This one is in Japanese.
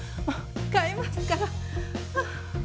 買いますから。